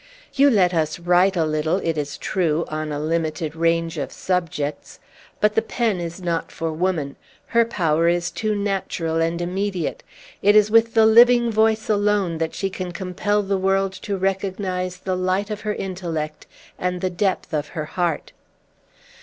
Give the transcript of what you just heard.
You let us write a little, it is true, on a limited range of subjects. But the pen is not for woman. Her power is too natural and immediate. It is with the living voice alone that she can compel the world to recognize the light of her intellect and the depth of her heart!"